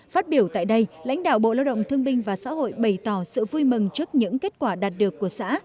phát biểu tại đây lãnh đạo bộ lao động thương binh và xã hội bày tỏ sự vui mừng trước những kết quả đạt được của xã